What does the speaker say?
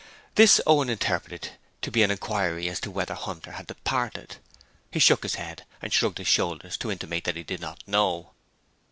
This Owen interpreted to be an inquiry as to whether Hunter had departed. He shook his head and shrugged his shoulders to intimate that he did not know.